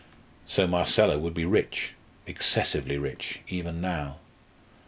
So Marcella would be rich, excessively rich, even now.